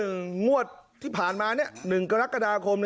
งวดที่ผ่านมา๑กรกฎาคม